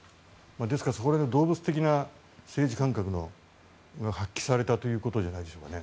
ですからその辺が動物的な政治感覚が発揮されたということじゃないでしょうかね。